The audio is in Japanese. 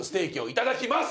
いただきます！